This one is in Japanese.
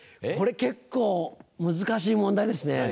これ結構難しい問題ですね。